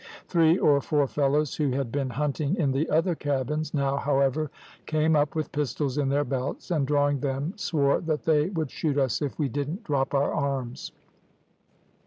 Three or four fellows who had been hunting in the other cabins, now, however, came up with pistols in their belts, and drawing them swore that they would shoot us if we didn't drop our arms.